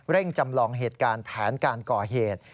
จำลองเหตุการณ์แผนการก่อเหตุ